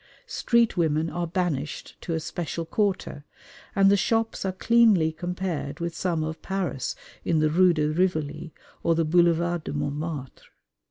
Street women are banished to a special quarter, and the shops are cleanly compared with some of Paris in the Rue de Rivoli or the Boulevard de Montmartre.